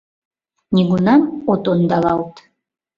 Нигунам от ондалалт...